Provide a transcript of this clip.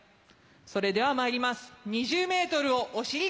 それではまいります。